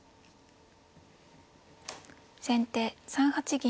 先手３八銀。